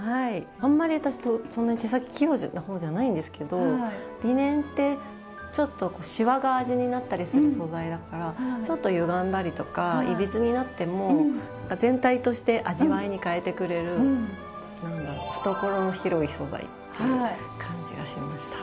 あんまり私そんなに手先器用な方じゃないんですけどリネンってちょっとシワが味になったりする素材だからちょっとゆがんだりとかいびつになっても全体として味わいに変えてくれる何だろう懐の広い素材っていう感じがしました。